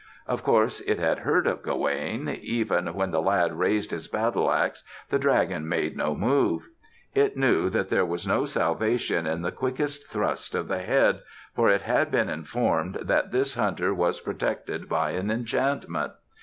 Of course it had heard of Gawaine. Even when the lad raised his battle ax the dragon made no move. It knew that there was no salvation in the quickest thrust of the head, for it had been informed that this hunter was protected by an enchantment.